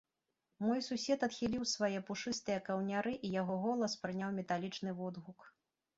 Мой сусед адхіліў свае пушыстыя каўняры, і яго голас прыняў металічны водгук.